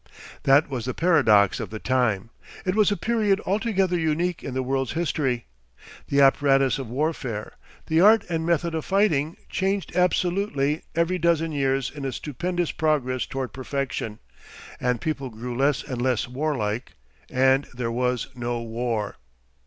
That was the paradox of the time. It was a period altogether unique in the world's history. The apparatus of warfare, the art and method of fighting, changed absolutely every dozen years in a stupendous progress towards perfection, and people grew less and less warlike, and there was no war.